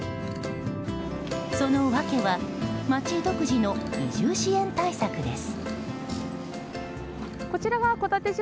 その訳は町独自の移住支援対策です。